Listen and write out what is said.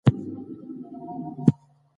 ارواپوهنه د خپګان په کمولو کې مرسته کوي.